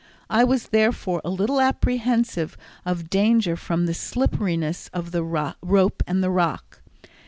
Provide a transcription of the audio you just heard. I was, therefore, a little apprehensive of danger from the slipperiness of the rope and the rock.